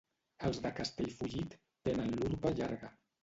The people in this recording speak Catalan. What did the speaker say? Els de Castellfollit tenen l'urpa llarga.